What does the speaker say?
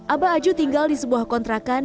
abah aju tinggal di sebuah kontrakan